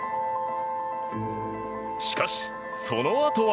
しかし、そのあとは。